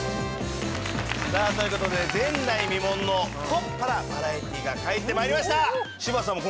さあという事で前代未聞の太っ腹バラエティーが帰ってまいりました！